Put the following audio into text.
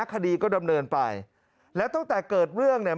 คดีก็ดำเนินไปแล้วตั้งแต่เกิดเรื่องเนี่ย